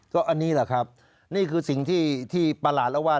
ก็อันนี้แหละครับนี่คือสิ่งที่ประหลาดแล้วว่า